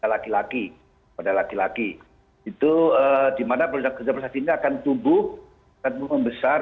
lagi laki laki pada laki laki itu dimana berjaga jaga tidak akan tumbuh dan membesar